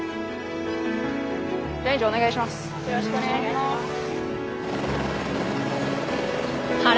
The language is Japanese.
お願いします。